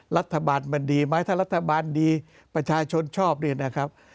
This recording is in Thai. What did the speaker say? รัฐบาลมันดีไหมถ้ารัฐบาลดีประชาชนชอบเนี่ยนะครับ